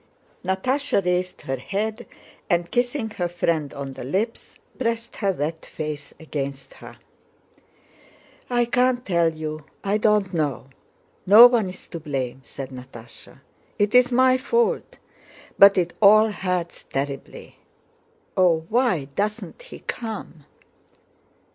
Natásha raised her head and, kissing her friend on the lips, pressed her wet face against her. "I can't tell you, I don't know. No one's to blame," said Natásha—"It's my fault. But it all hurts terribly. Oh, why doesn't he come?..."